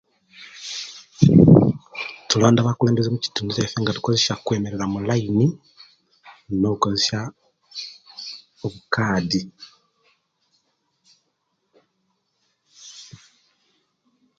Tulonda abakulembeze mukitundu kiyaisu nga tukozesa kwemerera mulaini nokoyesya bukadi